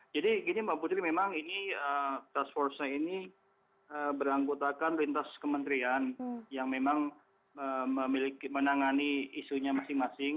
jadi gini mbak putri memang ini task force nya ini berangkutakan lintas kementerian yang memang menangani isunya masing masing